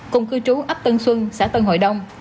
cùng cư trú ấp tân xuân xã tân hội đông